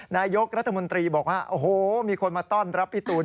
นายกรัฐมนตรีบอกว่าโอ้โหมีคนมาต้อนรับพี่ตูน